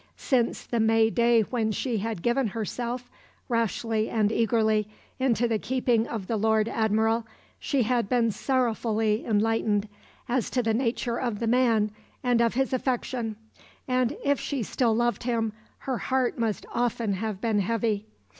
Since the May day when she had given herself, rashly and eagerly, into the keeping of the Lord Admiral, she had been sorrowfully enlightened as to the nature of the man and of his affection; and, if she still loved him, her heart must often have been heavy.